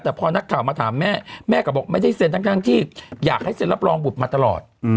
แต่พอนักข่าวมาถามแม่แม่ก็บอกไม่ได้เซ็นทั้งที่อยากให้เซ็นรับรองบุตรมาตลอด